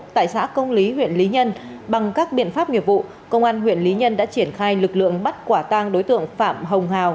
tại xã công lý huyện lý nhân bằng các biện pháp nghiệp vụ công an huyện lý nhân đã triển khai lực lượng bắt quả tang đối tượng phạm hồng hào